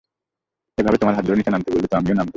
এইভাবে তোমার হাত ধরে নিচে নামাতে বললে তো আমিও পারতাম।